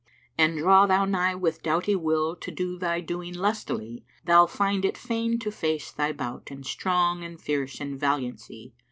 An draw thou nigh with doughty will * To do thy doing lustily, Thou'll find it fain to face thy bout * And strong and fierce in valiancy.